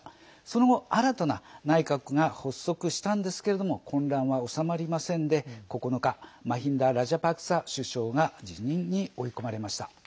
その後、新たな内閣が発足したんですけれども混乱は収まりませんで、９日マヒンダ・ラジャパクサ首相が辞任に追い込まれました。